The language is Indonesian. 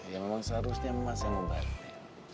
ya memang seharusnya mas yang membantu